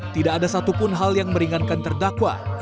tidak ada satupun hal yang meringankan terdakwa